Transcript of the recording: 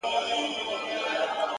هر فکر د عمل پیل کېدای شي!